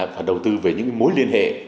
và đầu tư về những mối liên hệ